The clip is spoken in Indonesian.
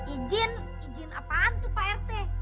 izin izin apaan tuh pak rt